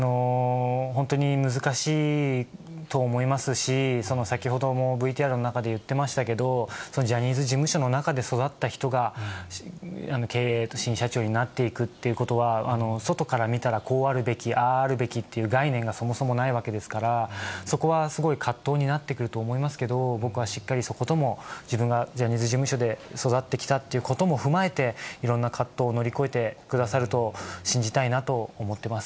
本当に難しいと思いますし、先ほどもＶＴＲの中で言ってましたけど、ジャニーズ事務所の中で育った人が、経営と、新社長になっていくということは、外から見たら、こうあるべき、あああるべきっていう概念がそもそもないわけですから、そこはすごい葛藤になってくると思いますけど、僕はしっかりそことも、自分がジャニーズ事務所で育ってきたということも踏まえて、いろんな葛藤を乗り越えてくださると信じたいなと思ってます。